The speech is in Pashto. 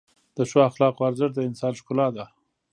د ښو اخلاقو ارزښت د انسان ښکلا ده.